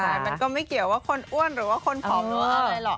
มันก็ไม่เกี่ยวว่าคนอ้วนหรือคนผอมอะไรหรอก